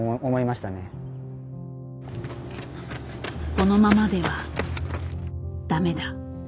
「このままではダメだ」。